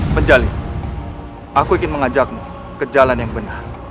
menjalin aku ingin mengajakmu ke jalan yang benar